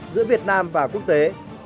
giữa việt nam và quốc tế